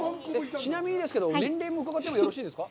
ちなみにですけど、年齢もうかがってもいいですか？